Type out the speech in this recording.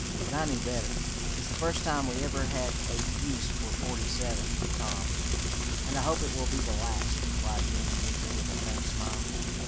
But I knew better. It's the first time we ever had a use for 'forty seven,' Tom." "And I hope it will be the last," replied the young inventor with a faint smile.